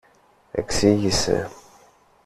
εξήγησε.